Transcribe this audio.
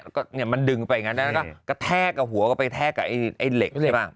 ก็เนี่ยมันดึงไปอย่างนั้นแล้วก็กระแทกกับหัวก็ไปแทกกับไอ้เหล็กใช่ป่ะ